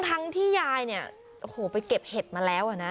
ทั้งที่ยายเนี่ยโอ้โหไปเก็บเห็ดมาแล้วนะ